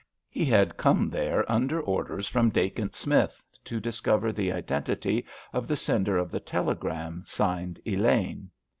He had come there under orders from Dacent Smith to discover the identity of the sender of the telegram signed "Elaine."